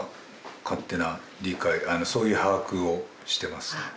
「そういう把握をしてます」